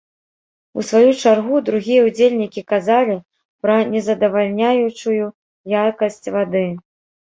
У сваю чаргу другія ўдзельнікі казалі пра незадавальняючую якасць вады.